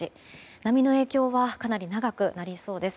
波の影響はかなり長くなりそうです。